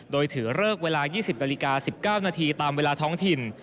โดยถือเลิกเวลา๒๐นาฬิกา๑๙นาทีตามเวลาท้องถิ่น